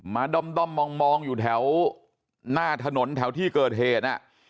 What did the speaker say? ด้อมมองอยู่แถวหน้าถนนแถวที่เกิดเหตุ